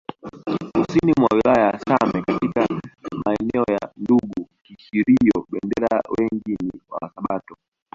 Kusini mwa wilaya ya Same katika maeneo ya Ndungu Kihurio Bendera wengi ni wasabato